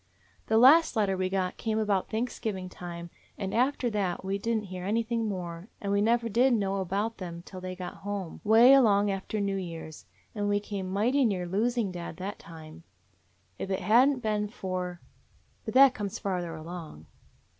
The last letter we got came about Thanksgiving time, and after that we did n't hear anything more, and we never did know about them till they got home, 'way along after New Year's. We came mighty 205 DOG HEROES OF MANY LANDS near losing dad that time. If it had n't been for — but that comes farther along.